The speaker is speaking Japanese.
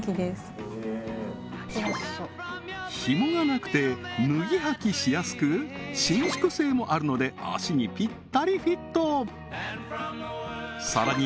ひもがなくて脱ぎ履きしやすく伸縮性もあるので足にぴったりフィットさらに